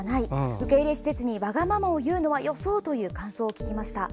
受け入れ施設にわがままを言うのはよそうという感想を聞きました。